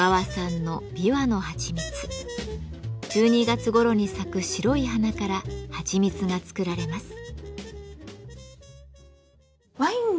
１２月ごろに咲く白い花からはちみつが作られます。